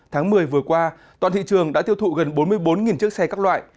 tháng một mươi vừa qua toàn thị trường đã tiêu thụ gần bốn mươi bốn chiếc xe các loại